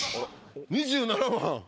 ２７番。